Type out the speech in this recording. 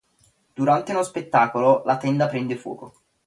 Durante uno spettacolo, la tenda prende fuoco.